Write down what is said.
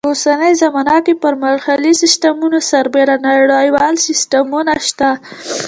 په اوسنۍ زمانه کې پر محلي سیسټمونو سربیره نړیوال سیسټمونه شته.